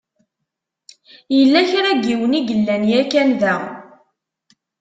Yella kra n yiwen i yellan yakan da.